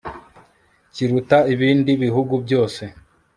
kiruta ibindi bihugu byose